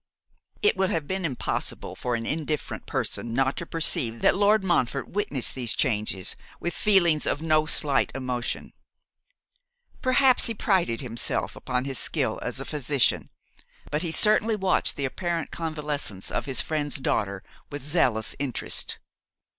It would have been impossible for an indifferent person not to perceive that Lord Montfort witnessed these changes with feelings of no slight emotion. Perhaps he prided himself upon his skill as a physician, but he certainly watched the apparent convalescence of his friend's daughter with zealous interest.